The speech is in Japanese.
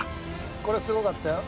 「これすごかったよ